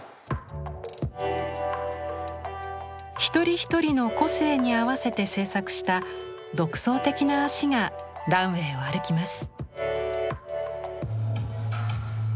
一人一人の個性に合わせて制作した独創的な足がランウェイを歩きます。